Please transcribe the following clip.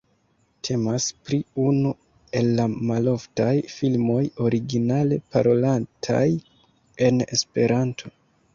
Temas pri unu el la maloftaj filmoj originale parolataj en Esperanto.